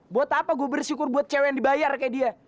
buat apa gue bersyukur buat cewek yang dibayar kayak dia